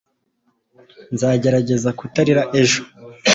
nzagerageza kutarira ejo